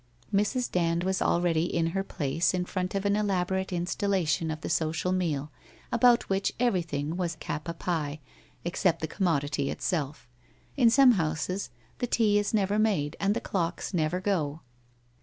Mrs. Dand was already in her place in front of an elaborate installation of the social meal, about which everything was cap a pie except the commodity itself. In some houses the tea is never made and the clocks never go.